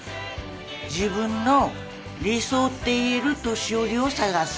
自分の理想っていえる年寄りを探す。